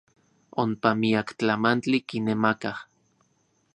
Onpa miak tlamantli kinemakaj.